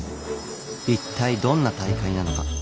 一体どんな大会なのか。